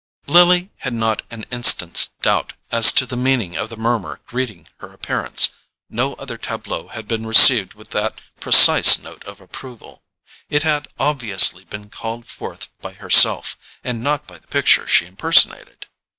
Lily had not an instant's doubt as to the meaning of the murmur greeting her appearance. No other tableau had been received with that precise note of approval: it had obviously been called forth by herself, and not by the picture she impersonated.